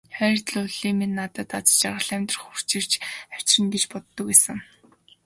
Хайр дурлал минь надад аз жаргал, амьдрах эрч хүч авчирна гэж боддог байсан.